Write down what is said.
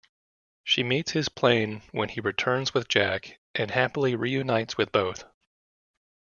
She meets his plane when he returns with Jack and happily reunites with both.